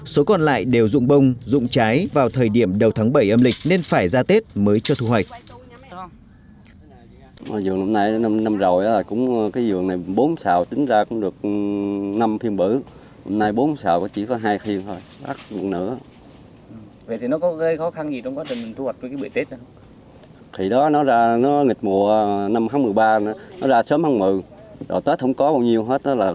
số còn lại đều dụng bông dụng trái vào thời điểm đầu tháng bảy âm lịch nên phải ra tết mới cho thu hoạch